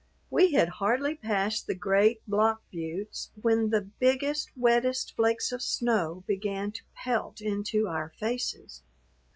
We had hardly passed the great Block buttes when the biggest, wettest flakes of snow began to pelt into our faces.